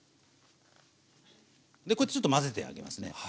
ちょっと混ぜてあげますね。